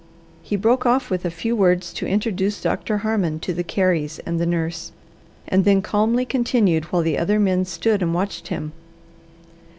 He broke off with a few words to introduce Doctor Harmon to the Careys and the nurse, and then calmly continued while the other men stood and watched him.